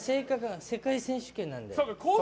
世界選手権なので。